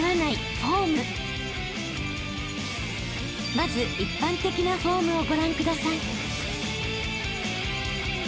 ［まず一般的なフォームをご覧ください］